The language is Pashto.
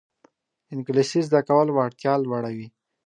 انګلیسي زده کول وړتیا لوړوي